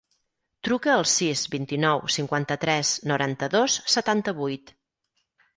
Truca al sis, vint-i-nou, cinquanta-tres, noranta-dos, setanta-vuit.